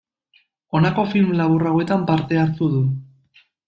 Honako film labur hauetan parte hartu du.